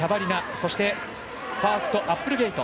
そして、ファースとアップルゲイト。